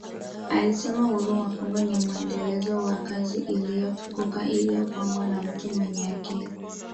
Alisema Uhuru wa Kongo ni mwendelezo wa kazi iliyotukuka iliyopangwa na mtu mwenye akili